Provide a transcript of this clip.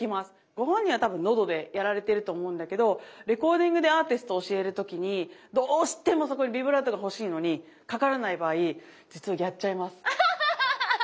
ご本人は多分喉でやられてると思うんだけどレコーディングでアーティスト教える時にどうしてもそこにビブラートが欲しいのにかからない場合実はやっちゃいます。